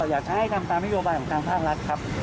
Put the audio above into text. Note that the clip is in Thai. อยากจะให้ทำตามนโยบายของทางภาครัฐครับ